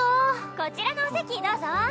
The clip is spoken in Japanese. こちらのお席どうぞ。